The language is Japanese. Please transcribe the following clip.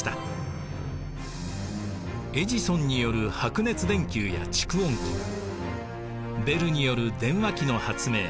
エジソンによる白熱電球や蓄音機ベルによる電話機の発明